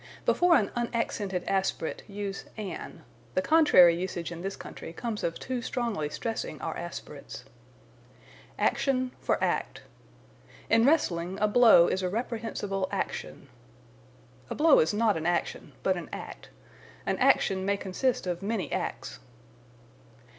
Before an unaccented aspirate use an. The contrary usage in this country comes of too strongly stressing our aspirates. Action for Act. "In wrestling, a blow is a reprehensible action." A blow is not an action but an act. An action may consist of many acts.